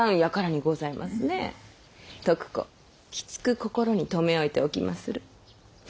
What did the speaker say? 徳子きつく心に留め置いておきまする。